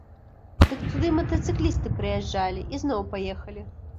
Дык туды матацыклісты прыязджалі і зноў паехалі.